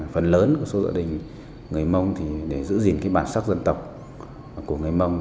phần lớn của số gia đình người mông thì để giữ gìn cái bản sắc dân tộc của người mông